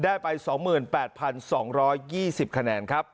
ได้ไป๒๘๒๒๐คะแนนครับ